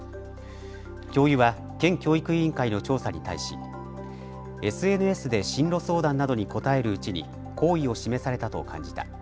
教諭は県教育委員会の調査に対しＳＮＳで進路相談などに応えるうちに好意を示されたと感じた。